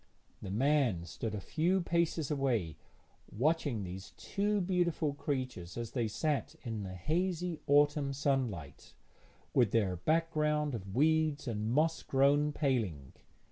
The man stood a few paces away, watching these two beautiful creatures as they sat in the hazy autumn sunlight, with their background of weeds and moss grown paling.